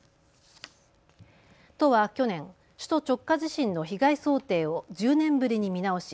都は去年、首都直下地震の被害想定を１０年ぶりに見直し